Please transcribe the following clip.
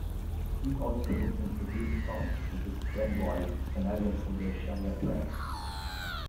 He also wrote and produced songs with his then-wife, Canadian singer Shania Twain.